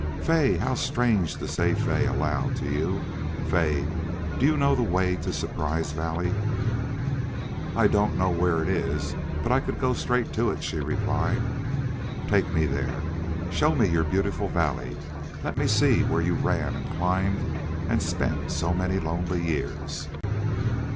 "Fay! How strange to SAY Fay aloud to YOU! Fay, do you know the way to Surprise Valley?" "I don't know where it is, but I could go straight to it," she replied. "Take me there. Show me your beautiful valley. Let me see where you ran and climbed and spent so many lonely years."